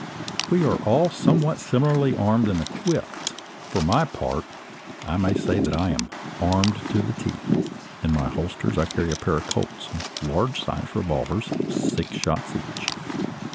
We are all somewhat similarly armed and equipped. For my part, I may say that I am "armed to the teeth." In my holsters I carry a pair of Colt's large sized revolvers, six shots each.